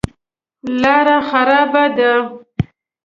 لاره خرابه ده.